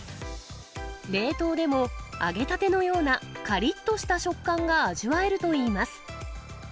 冷凍でも揚げたてのようなかりっとした食感が味わえるといいます。